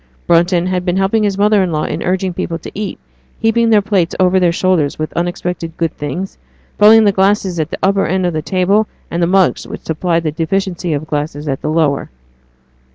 Brunton had been helping his mother in law in urging people to eat, heaping their plates over their shoulders with unexpected good things, filling the glasses at the upper end of the table, and the mugs which supplied the deficiency of glasses at the lower.